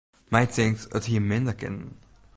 My tinkt, it hie minder kinnen.